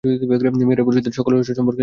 মেয়েরাই পুরুষদের সকল রহস্য সম্পর্কে জানে।